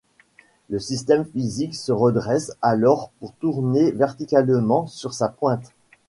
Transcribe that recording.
Le système physique se redresse alors pour tourner verticalement sur sa pointe.